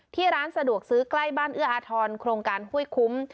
ร้านสะดวกซื้อใกล้บ้านเอื้ออาทรโครงการห้วยคุ้ม